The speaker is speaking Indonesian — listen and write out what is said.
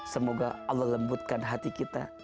semoga allah lembutkan hati kita